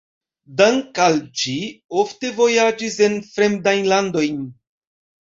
Dank`al ĝi ofte vojaĝis en fremdajn landojn.